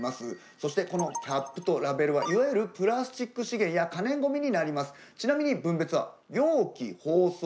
そして、このキャップとラベルはいわゆるプラスチック資源や可燃ごみになります。